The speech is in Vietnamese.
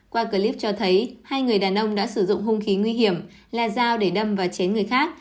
qua clip cho thấy hai người đàn ông đã sử dụng hung khí nguy hiểm là dao để đâm và chém người khác